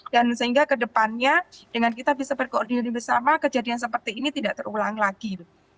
dan sehingga ke depannya dengan kita bisa berkoordinasi bersama kejadian seperti ini tidak terulang lagi